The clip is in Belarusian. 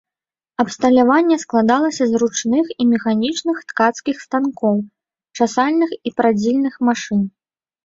Абсталяванне складалася з ручных і механічных ткацкіх станкоў, часальных і прадзільных машын.